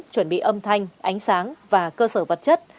chuẩn bị âm thanh ánh sáng và cơ sở vật chất